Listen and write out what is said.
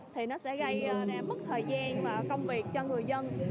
thì nó sẽ gây mất thời gian và công việc cho người dân